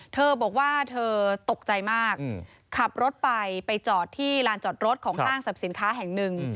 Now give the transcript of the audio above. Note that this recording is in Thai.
เธอบอกว่าเธอตกใจมากขับรถไปไปจอดที่ลานจอดรถของห้างสรรพสินค้าแห่งหนึ่ง